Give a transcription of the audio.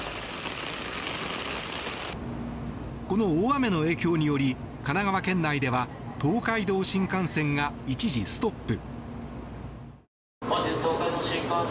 この大雨の影響により神奈川県内では東海道新幹線が一時ストップ。